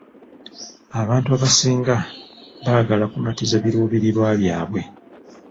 Abantu abasinga baagala kumatiza biruubirirwa byabwe.